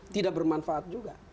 tidak bermanfaat juga